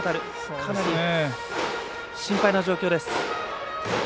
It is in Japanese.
かなり心配な状況です。